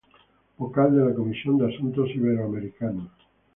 Vocal de la comisión de asuntos iberoamericanos.